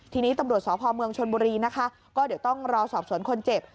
ทีนี้ตำรวจสพเมืองชนบุรีนะคะก็เดี๋ยวต้องรอสอบสวนคนเจ็บ